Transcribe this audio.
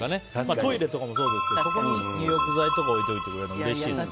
トイレとかもそうですけど入浴剤とか置いておいてくれるのうれしいですね。